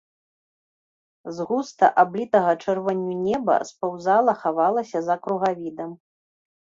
З густа аблітага чырванню неба спаўзала, хавалася за кругавідам.